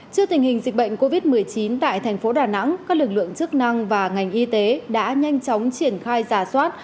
trước tình hình dịch bệnh covid một mươi chín tại thành phố đà nẵng các lực lượng chức năng và ngành y tế đã nhanh chóng triển khai giả soát